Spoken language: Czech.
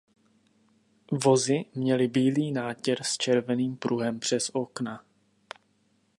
Vozy měly bílý nátěr s červeným pruhem přes okna.